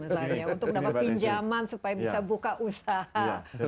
misalnya untuk mendapat pinjaman supaya bisa buka usaha